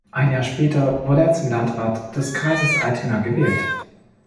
Ein Jahr später wurde er zum Landrat des Kreises Altena gewählt.